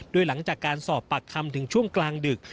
โดยหลังจากการสอบปากคำถึงช่วงกลางดึก